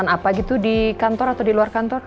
ya baik bu